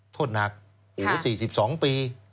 โทษหนัก๔๒ปี